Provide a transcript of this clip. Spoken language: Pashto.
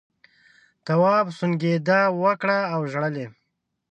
تواب سونگېدا وکړه او ژړل یې.